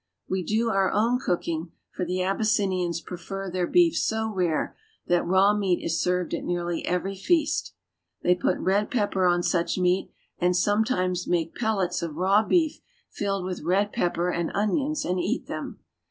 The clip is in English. We do our own cooking, for the Abys sinians prefer their beef so rare that raw meat is served at nearly every feast. They put red pepper on such meat and sometimes make pellets of raw beef filled with red pepper and onions and eat them.